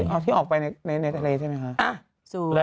เอาที่ออกไปในทะเลใช่ไหมคะ